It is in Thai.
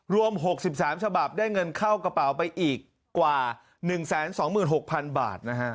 รวม๖๓ฉบับได้เงินเข้ากระเป๋าไปอีกกว่า๑๒๖๐๐๐บาทนะฮะ